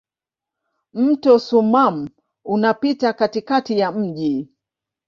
Mto Soummam unapita katikati ya mji.